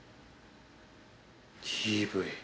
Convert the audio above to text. ＤＶ。